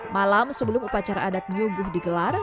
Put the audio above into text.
malam sebelum upacara adat nyuguh digelar